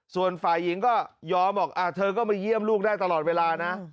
ส่วนฝ่ายหญิงก็ยอมบอกเธอก็มาเยี่ยมลูกได้ตลอดเวลานะ